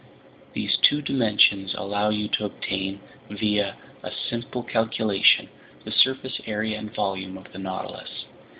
"These two dimensions allow you to obtain, via a simple calculation, the surface area and volume of the Nautilus.